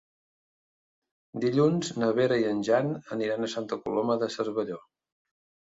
Dilluns na Vera i en Jan aniran a Santa Coloma de Cervelló.